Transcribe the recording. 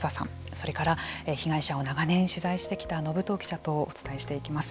それから被害者を長年取材してきた信藤記者とお伝えしていきます。